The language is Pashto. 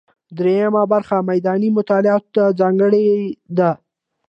درېیمه برخه میداني مطالعاتو ته ځانګړې ده.